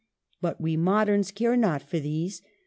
But we moderns care not for these.